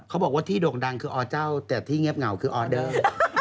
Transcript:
เขาบอกว่าที่โด่งดังคืออเจ้าแต่ที่เงียบเหงาคือออเดอร์